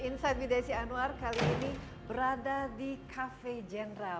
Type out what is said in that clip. insight with desi anwar kali ini berada di cafe general